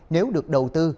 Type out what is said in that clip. nếu được đầu tư